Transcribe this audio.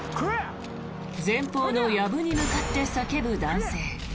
前方のやぶに向かって叫ぶ男性。